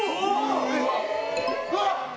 うわっ！